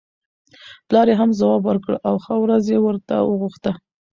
پلار یې هم ځواب ورکړ او ښه ورځ یې ورته وغوښته.